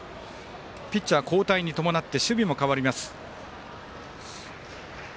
ピッチャー交代に伴って守備も変わります。